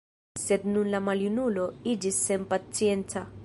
Sed nun la maljunulo iĝis senpacienca.